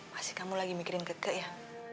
pasti kamu lagi mikirin keke ya